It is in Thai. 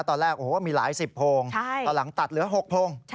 ตอนแรกโอ้โหมีหลายสิบโพงตอนหลังตัดเหลือ๖โพง